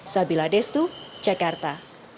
sabila destu jakarta